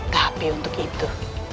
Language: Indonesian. tapi untuk itu